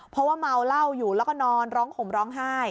เพราะว่าเมาเหล้าอยู่แล้วก็นอนร้องห่มร้องไห้